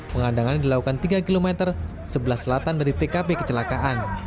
pengadangan dilakukan tiga kilometer sebelah selatan dari tkp kecelakaan